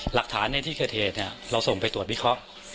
หลักฐานในที่เกิดเหตุเราส่งไปตรวจวิเคราะห์